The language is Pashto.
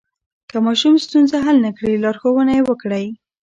که ماشوم ستونزه حل نه کړي، لارښوونه یې وکړئ.